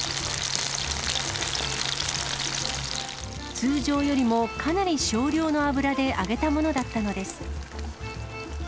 通常よりもかなり少量の油で揚げたものだったのです。